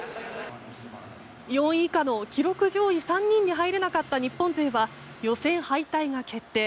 ４位以下の記録上位３人に入れなかった日本勢は予選敗退が決定。